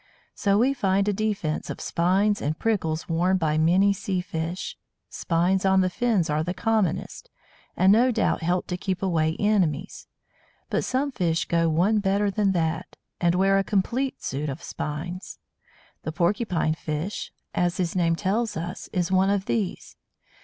So we find a defence of spines and prickles worn by many sea fish. Spines on the fins are the commonest, and no doubt help to keep away enemies; but some fish go one better than that, and wear a complete suit of spines. The Porcupine fish, as his name tells us, is one of these.